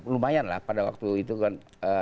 lumayan lah pada waktu itu kan